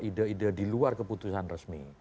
ide ide diluar keputusan resmi